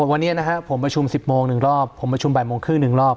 วันนี้นะฮะผมประชุม๑๐โมง๑รอบผมประชุมบ่ายโมงครึ่ง๑รอบ